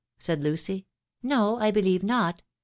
" said Lucy. No, I believe not.